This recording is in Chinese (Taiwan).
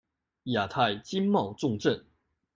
亞太經貿重鎮